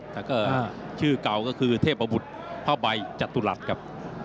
แต่ก็ชื่อเก่าก็คือเทพบุรุษพระบัยจัตุรัสครับ